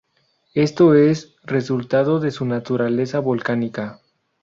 Esto es resultado de su naturaleza volcánica.